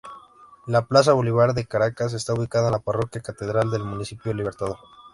La Plaza Bolívar de Caracas está ubicada en la Parroquia Catedral del Municipio Libertador.